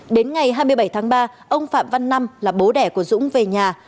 đến ngày hai mươi bảy tháng ba ông phạm văn năm là bố đẻ của dũng về nhà